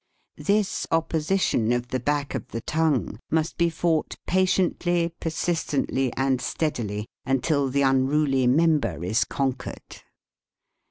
This opposition of the back of the tongue must be fought patiently, persistently, and steadily until the unruly member is con quered.